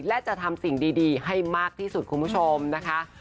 และจะทำสิ่งดีให้มากที่สุดคุณผู้ชมนะคะ